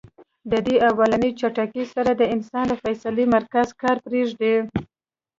د دې اولنۍ جټکې سره د انسان د فېصلې مرکز کار پرېږدي -